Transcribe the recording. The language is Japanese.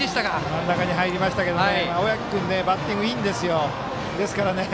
真ん中に入りましたが小宅君、バッティングいいんです。